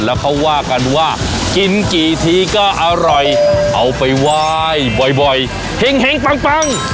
แล้วเขาว่ากันว่ากินกี่ทีก็อร่อยเอาไปไหว้บ่อยเห็งปัง